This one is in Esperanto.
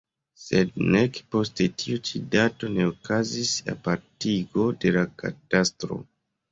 Sed nek post tiu ĉi dato ne okazis apartigo de la katastro.